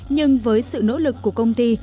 nhưng với sự nỗ lực của công ty